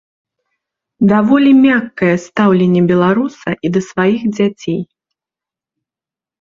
Даволі мяккае стаўленне беларуса і да сваіх дзяцей.